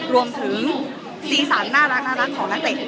รวมถึงสีสันน่ารักของนักเตะ